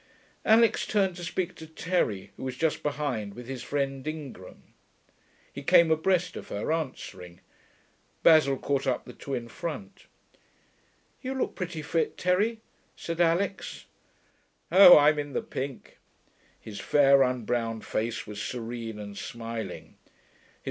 Alix turned to speak to Terry, who was just behind with his friend Ingram. He came abreast of her, answering. Basil caught up the two in front. 'You look pretty fit, Terry,' said Alix. 'Oh, I'm in the pink.' His fair, unbrowned face was serene and smiling.